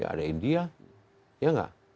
ada india ya enggak